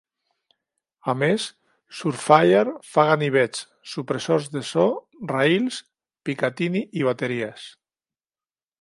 A més, Surefire fa ganivets, supressors de so, rails Picatinny i bateries.